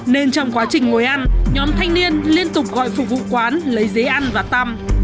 nên trong quá trình ngồi ăn nhóm thanh niên liên tục gọi phục vụ quán lấy giấy ăn và tăm